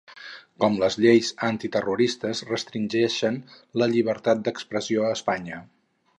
Com les lleis antiterroristes restringeixen la llibertat d’expressió a Espanya.